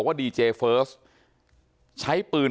ไม่ตั้งใจครับ